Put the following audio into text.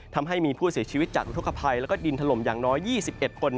ทำให้มีผู้เสียชีวิตจากอุทธกภัยแล้วก็ดินถล่มอย่างน้อย๒๑คน